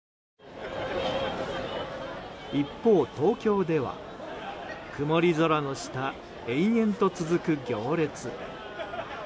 一方、東京では曇り空の下、延々と続く行列。